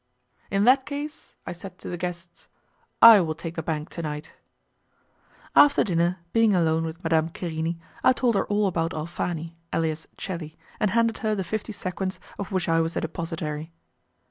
"In that case," I said to the guests, "I will take the bank tonight." After dinner, being alone with Madame Querini, I told her all about Alfani, alias Celi, and handed her the fifty sequins of which I was the depositary.